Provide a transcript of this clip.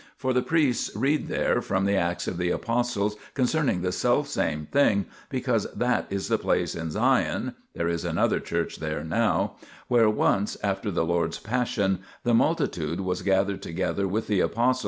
For the priests read there from the Acts of the Apostles concerning the selfsame thing, because that is the place in Sion there is another church there now where once, after the Lord's Passion, the multitude was gathered together with the Apostles, 1 Lat.